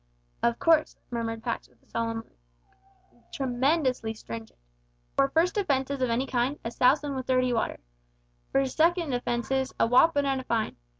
"Of course," murmured Pax, with a solemn look, "tremendously stringent. For first offences of any kind a sousin' with dirty water. For second offences a woppin' and a fine.